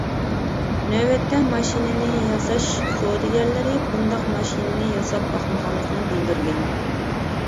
نۆۋەتتە ماشىنىنى ياساش سودىگەرلىرى بۇنداق ماشىنىنى ياساپ باقمىغانلىقىنى بىلدۈرگەن.